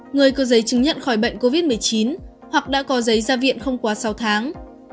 người có giấy chứng nhận khỏi bệnh covid một mươi chín hoặc đã có giấy ra viện không quá sáu tháng